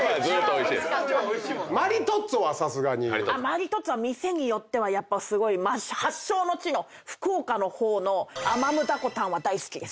マリトッツォは店によってはやっぱすごい。発祥の地の福岡の方のアマムダコタンは大好きです。